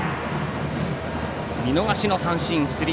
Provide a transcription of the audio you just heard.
見逃しの三振。